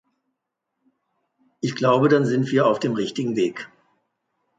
Ich glaube, dann sind wir auf dem richtigen Weg.